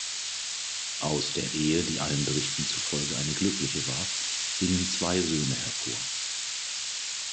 Aus der Ehe, die allen Berichten zufolge eine glückliche war, gingen zwei Söhne hervor.